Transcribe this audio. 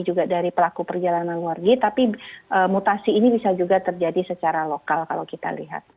jadi pelaku perjalanan luar negeri tapi mutasi ini bisa juga terjadi secara lokal kalau kita lihat